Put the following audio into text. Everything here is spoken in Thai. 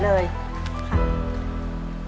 แข็งใสเลย